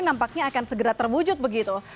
nampaknya akan segera terwujud begitu